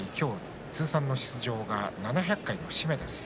通算の出場が７００回の節目です。